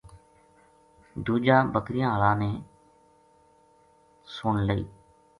دوجا بکریاں ہالا نے سن لئی